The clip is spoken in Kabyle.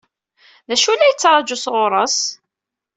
D acu i la yettṛaǧu sɣur-s?